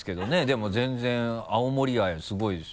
でも全然青森愛すごいですよ。